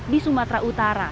di sumatera utara